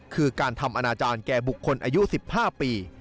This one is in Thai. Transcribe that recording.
คือการทำอนาจารย์แก่บุคคลอายุ๑๕ปี